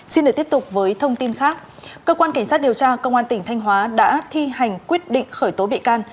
xin được tiếp tục với thông tin khác cơ quan cảnh sát điều tra công an tỉnh thanh hóa đã thi hành quyết định khởi tố bị can